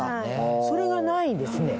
それがないですね。